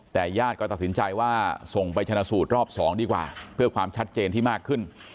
แต่ญาติก็ตัดสินใจว่าส่งไปชนะสูตรรอบ๒ดีกว่าเพื่อความชัดเจนที่มากขึ้น